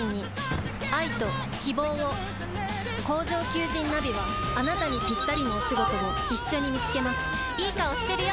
工場求人ナビはあなたにぴったりのお仕事を一緒に見つけますいい顔してるよ！